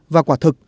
và quả thực